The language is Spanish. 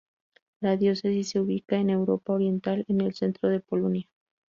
La diócesis se ubica en Europa Oriental, en el centro de Polonia.